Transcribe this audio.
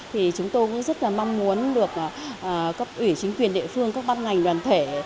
thì chúng tôi cũng rất là mong muốn được cấp ủy chính quyền địa phương các bát ngành đoàn thể